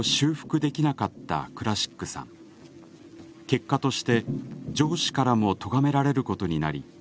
結果として上司からもとがめられることになり